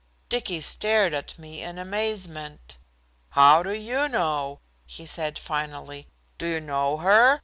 Dicky stared at me in amazement. "How do you know?" he said finally. "Do you know her?